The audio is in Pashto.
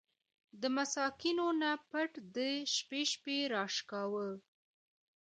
د مسکينانو نه پټ د شپې شپې را شکوو!!.